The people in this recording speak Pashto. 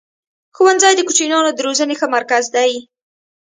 ښوونځی د کوچنیانو د روزني ښه مرکز دی.